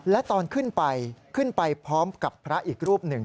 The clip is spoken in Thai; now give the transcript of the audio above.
และตอนขึ้นไปขึ้นไปพร้อมกับพระอีกรูปหนึ่ง